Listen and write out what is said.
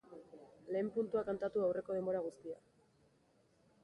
Lehen puntua kantatu aurreko denbora guztia.